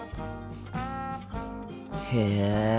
へえ。